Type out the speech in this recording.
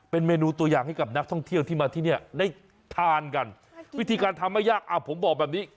เป็นเมนูตัวอย่างให้กับนักท่องเที่ยวที่มาที่เนี่ยได้ทานกันวิธีการทำไม่ยากอ่ะผมบอกแบบนี้